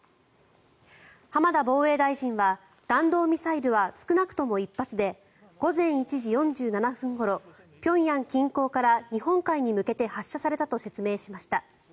浜田防衛大臣は弾道ミサイルは少なくとも１発で午前１時４７分ごろ平壌近郊から日本海に向けて発射されたと説明しました。